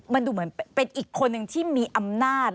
มันดูเหมือนเป็นอีกคนนึงที่มีอำนาจ